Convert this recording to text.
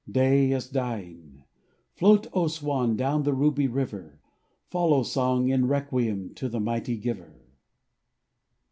Day is dying! Float, O swan, Down the ruby river; Follow, song, in requiem To the mighty Giver.